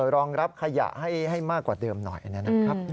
รองรับขยะให้มากกว่าเดิมหน่อยนะครับ